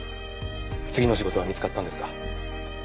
次の仕事は見つかったんですか？